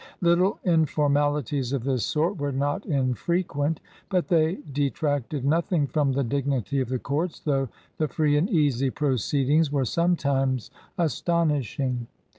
Little informalities of this sort were not in frequent, but they detracted nothing from the dignity of the courts, though the free and easy proceedings were sometimes astonishing.